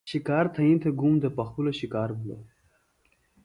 شکار تھینئی تھےۡ گوم دےۡ پخپُلہ شِکار بِھلوۡ۔